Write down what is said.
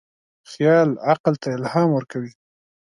خیال عقل ته الهام ورکوي.